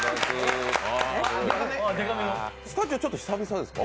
スタジオ、ちょっと久々ですか？